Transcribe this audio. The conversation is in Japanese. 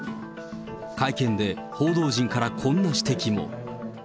会見で報道陣からこんな指摘も。